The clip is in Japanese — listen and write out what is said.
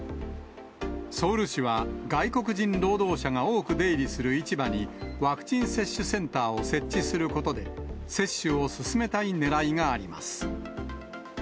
ソウル市は、外国人労働者が多く出入りする市場にワクチン接種センターを設置することで、接種を進めたいねらいがあります。